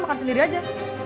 makan sendiri aja